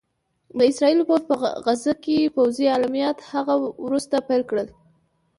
د اسرائيلو پوځ په غزه کې پوځي عمليات له هغه وروسته پيل کړل